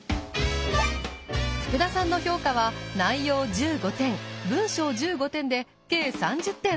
福田さんの評価は内容１５点文章１５点で計３０点。